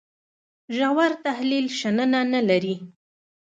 ژور تحلیل شننه نه لري.